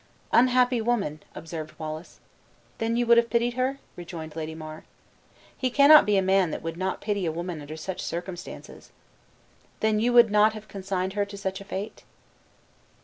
"Unhappy woman!" observed Wallace. "Then you would have pitied her?" rejoined Lady Mar. "He cannot be a man that would not pity a woman under such circumstances." "Then you would not have consigned her to such a fate?"